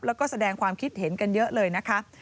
แล้วก็แสดงความคิดเห็นกันเยอะเลยนะคะ